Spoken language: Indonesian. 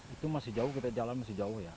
itu masih jauh kita jalan masih jauh ya